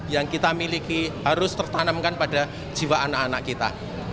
yang kita miliki harus tertanamkan pada jiwa anak anak kita